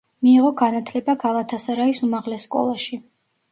მიიღო განათლება გალათასარაის უმაღლეს სკოლაში.